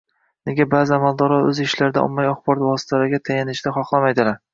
Nega ba'zi amaldorlar o'z ishlarida ommaviy axborot vositalariga tayanishni xohlamaydilar?